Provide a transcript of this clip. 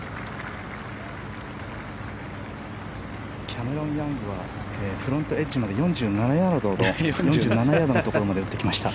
キャメロン・ヤングはフロントエッジまで４７ヤードのところまで打ってきました。